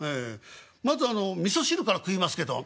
まずあのみそ汁から食いますけど」。